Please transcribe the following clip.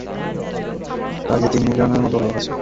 প্রাগে তিন মিলিয়নের মতো লোক আছে।